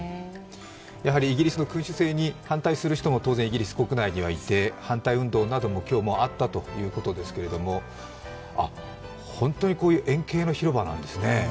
イギリスの君主制に反対する人も当然、イギリスの国内にもいて反対運動なども今日はあったということですけれども、本当にこういう円形の広場なんですね。